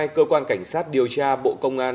cơ quan cảnh sát điều tra bộ công an